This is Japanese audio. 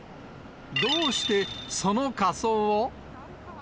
どうしてその仮装を。